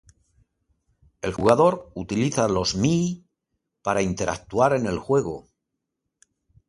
El jugador utiliza los Mii para interactuar en el juego.